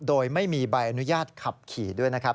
โดยไม่มีใบอนุญาตขับขี่ด้วยนะครับ